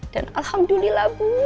dan alhamdulillah bu